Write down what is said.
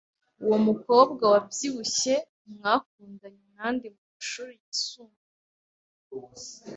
Uwo mukobwa wabyibushye mwakundanye nande mumashuri yisumbuye?